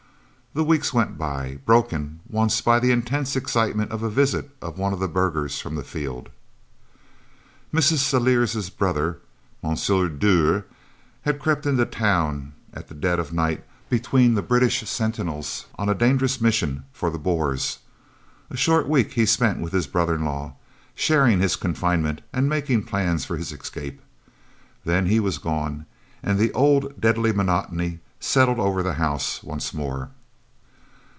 The weeks went by, broken once by the intense excitement of a visit of one of the burghers from the field. Mrs. Celliers' brother, M. Dürr, had crept into town at dead of night between the British sentinels on a dangerous mission for the Boers. A short week he spent with his brother in law, sharing his confinement and making plans for his escape. Then he was gone, and the old deadly monotony settled over the house once more.